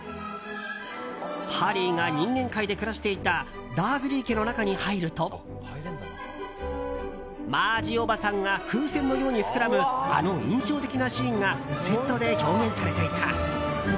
ハリーが人間界で暮らしていたダーズリー家の中に入るとマージおばさんが風船のように膨らむあの印象的なシーンがセットで表現されていた。